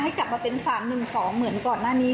กลับมาเป็น๓๑๒เหมือนก่อนหน้านี้